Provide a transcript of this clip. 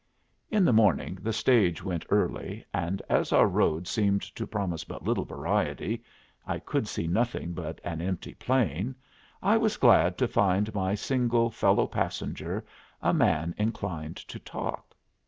In the morning the stage went early, and as our road seemed to promise but little variety I could see nothing but an empty plain I was glad to find my single fellow passenger a man inclined to talk.